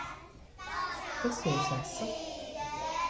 Kas Jūs esat?